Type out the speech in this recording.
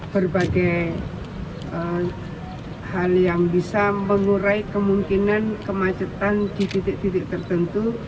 berbagai hal yang bisa mengurai kemungkinan kemacetan di titik titik tertentu